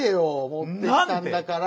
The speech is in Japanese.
持ってきたんだから。